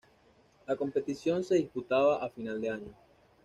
La competición se disputaba a final de año.